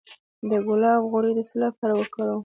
د ګلاب غوړي د څه لپاره وکاروم؟